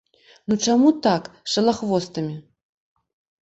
Ну, чаму так, з шалахвостамі?